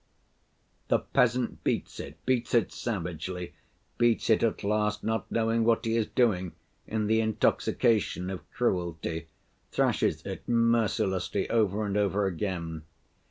The peasant beats it, beats it savagely, beats it at last not knowing what he is doing in the intoxication of cruelty, thrashes it mercilessly over and over again.